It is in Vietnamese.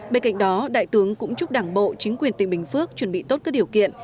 bên cạnh đó đại tướng cũng chúc đảng bộ chính quyền tỉnh bình phước chuẩn bị tốt các điều kiện